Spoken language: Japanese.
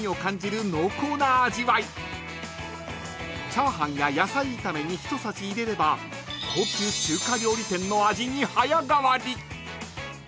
［チャーハンや野菜炒めに一さじ入れれば高級中華料理店の味に早変わり！］